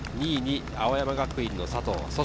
２位に青山学院の佐藤。